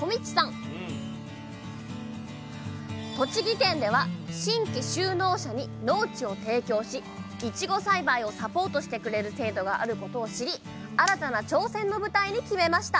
栃木県では新規就農者に農地を提供しいちご栽培をサポートしてくれる制度があることを知り新たな挑戦の舞台に決めました